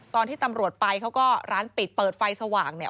ตอนที่ตำรวจไปเขาก็ร้านปิดเปิดไฟสว่างเนี่ย